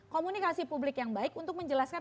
komunikasi publik yang baik untuk menjelaskan